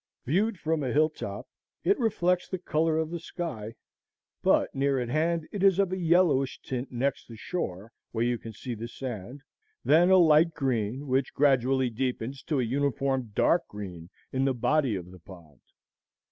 Viewed from a hill top it reflects the color of the sky; but near at hand it is of a yellowish tint next the shore where you can see the sand, then a light green, which gradually deepens to a uniform dark green in the body of the pond.